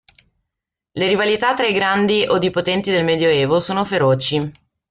Le rivalità tra i grandi od i potenti del Medioevo sono feroci.